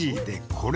これ